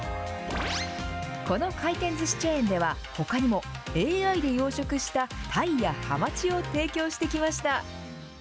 この回転ずしチェーンでは、ほかにもＡＩで養殖したタイやハマチを提供してきました。